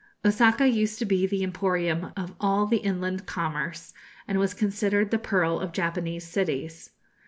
Osaka used to be the emporium of all the inland commerce, and was considered the pearl of Japanese cities.